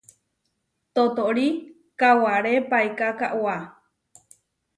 Totóri kaʼwaré paiká kaʼwá.